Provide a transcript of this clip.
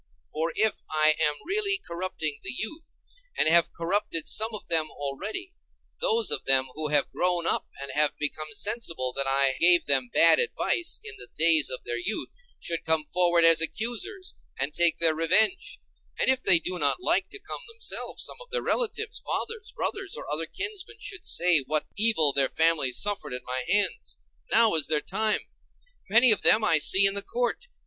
For if I am really corrupting the youth, and have corrupted some of them already, those of them who have grown up and have become sensible that I gave them bad advice in the days of their youth should come forward as accusers and take their revenge; and if they do not like to come themselves, some of their relatives, fathers, brothers, or other kinsmen, should say what evil their families suffered at my hands. Now is their time. Many of them I see in the court.